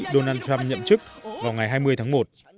donald trump nhậm chức vào ngày hai mươi tháng một